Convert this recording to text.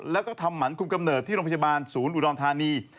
แล้วก็ทำหมันคุมกำเนิดที่โรงพยาบาลศูนย์อุดรธานี